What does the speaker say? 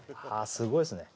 すごいっすね